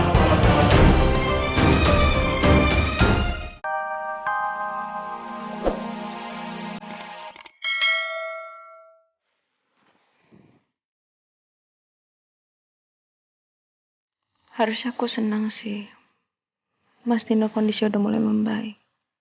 harus aku senang sih mas dino kondisi udah mulai membaik